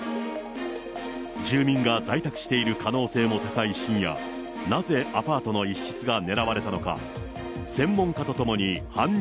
住民が在宅している可能性も高い深夜、なぜアパートの一室が狙われたのか。